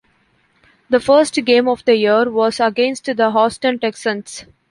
The first game of the year was against the Houston Texans.